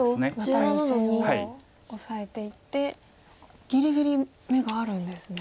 また２線をオサえていってぎりぎり眼があるんですね。